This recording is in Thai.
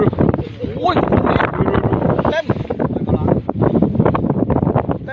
สวัสดีที่เราจะรีบระวังผู้ชาย